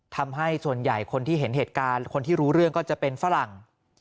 ทำให้ส่วนใหญ่คนที่เห็นเหตุการณ์คนที่รู้เรื่องก็จะเป็นฝรั่ง